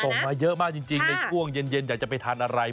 มาเยอะมากจริงในช่วงเย็นอยากจะไปทานอะไร